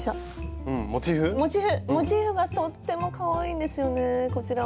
モチーフがとってもかわいいんですよねこちらも。